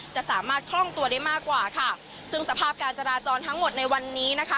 จะสามารถคล่องตัวได้มากกว่าค่ะซึ่งสภาพการจราจรทั้งหมดในวันนี้นะคะ